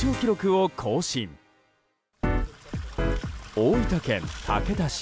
大分県竹田市。